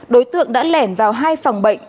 đối tượng đã lèn vào hai phòng bệnh